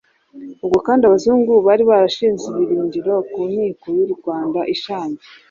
Ubwo kandi Abazungu bari barashinze ibirindiro ku nkiko y'u Rwanda i Shangi